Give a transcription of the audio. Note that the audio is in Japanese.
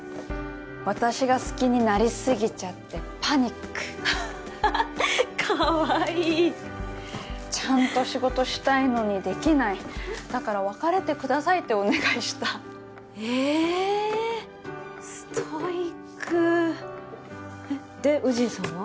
私が好きになりすぎちゃってパニックかわいいちゃんと仕事したいのにできないだから別れてくださいってお願いしたえっストイックえっで祐鎮さんは？